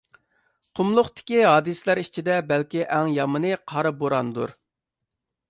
قۇملۇقتىكى ھادىسىلەر ئىچىدە بەلكى ئەڭ يامىنى قارا بوراندۇر.